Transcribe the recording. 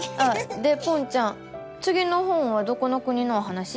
でぽんちゃんつぎの本はどこの国のお話？